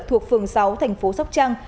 thuộc phường sáu tp sóc trăng